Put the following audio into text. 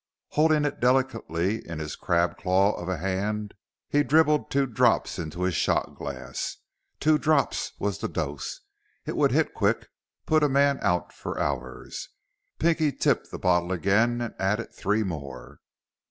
Holding it delicately in his crab claw of a hand, he dribbled two drops into a shot glass. Two drops was the dose. It would hit quick, put a man out for hours. Pinky tipped the bottle again and added three more.